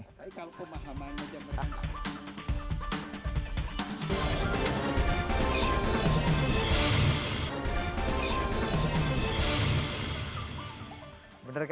tapi kalau pemahaman saja berapa